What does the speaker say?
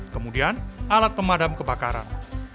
kemudian alat pemadam kebakaran